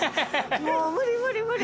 もう無理無理無理。